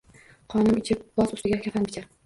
Qonim ichib, boz ustiga kafan bichar.